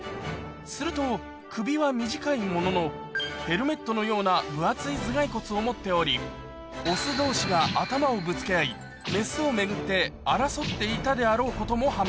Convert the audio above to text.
すると、首は短いものの、ヘルメットのような分厚い頭蓋骨を持っており、雄どうしが頭をぶつけ合い、雌を巡って争っていたであろうこ